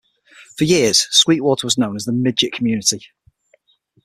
For years, Sweetwater was known as the "midget" community.